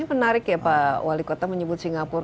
ini menarik ya pak wali kota menyebut singapura